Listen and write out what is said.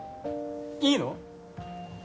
いいの？